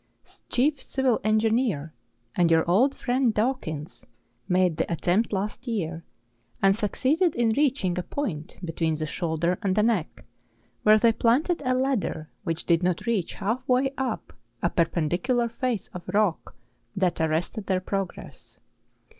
PK'rKk I Hori'K, M.\rKiriL:s. PETER BOTTE. 251 chief civil engineer, and your old friend Dawkins, made the attempt last year, and succeeded in reach¬ ing a point between the shoulder and the neck, where they planted a ladder which did not reach half way up a perpendicular face of rock that ar¬ rested their progress.